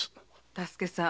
多助さん